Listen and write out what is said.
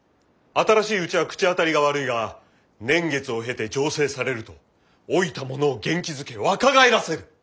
新しいうちは口当たりが悪いが年月を経て醸成されると老いた者を元気づけ若返らせる」。